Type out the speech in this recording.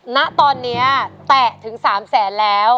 ณตอนนี้แตะถึง๓แสนแล้ว